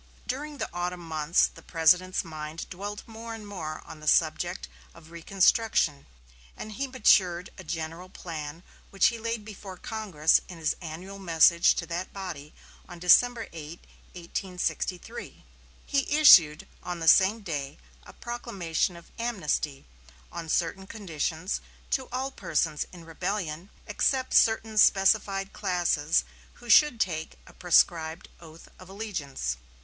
During the autumn months the President's mind dwelt more and more on the subject of reconstruction, and he matured a general plan which he laid before Congress in his annual message to that body on December 8, 1863. He issued on the same day a proclamation of amnesty, on certain conditions, to all persons in rebellion except certain specified classes, who should take a prescribed oath of allegiance.